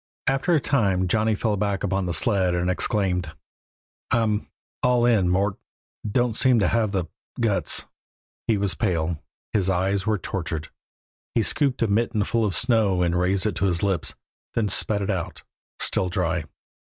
After a time Johnny fell back upon the sled and exclaimed: "I'm all in, Mort. Don't seem to have the guts." He was pale, his eyes were tortured. He scooped a mitten full of snow and raised it to his lips, then spat it out, still dry.